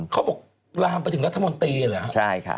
เขาบอกลามไปถึงรัฐมนตรีเหรอใช่ค่ะ